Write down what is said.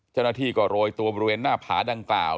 เจ้าหน้าที่ก็โรยตัวบริเวณหน้าผาดังกล่าว